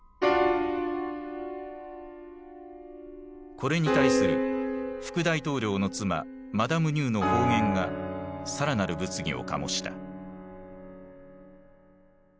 これに対する副大統領の妻マダム・ニューの放言が更なる物議を醸した。